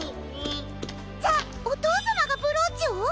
じゃあおとうさまがブローチを！？